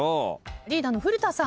リーダーの古田さん